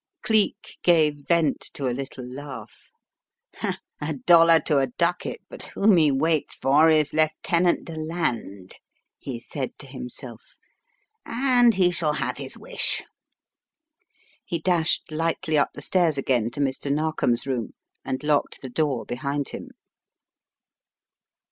Cleek gave vent to a little laugh. "A dollar to a ducat but whom he waits for is Lieu tenant Deland," he said to himself, "and he shall have his wish." He dashed lightly up the stairs again to Mr. Nar kom's room and locked the door behind him.